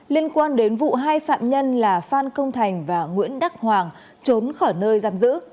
liên quan đến vụ hai phạm nhân là phan công thành và nguyễn đắc hoàng trốn khỏi nơi giam giữ